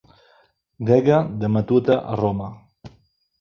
Grega de matuta a Roma.